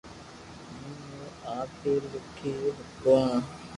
ھين ھون آپ ھي ليکو ھگو